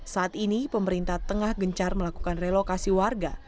saat ini pemerintah tengah gencar melakukan relokasi warga